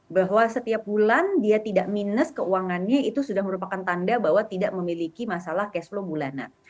bahwa setiap bulan dia tidak minus keuangannya itu sudah merupakan tanda bahwa tidak memiliki masalah cash flow bulanan